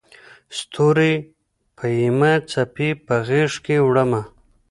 ستوري پېیمه څپې په غیږکې وړمه